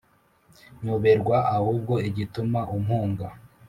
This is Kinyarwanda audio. nyoberwa ahubwo igituma umpunga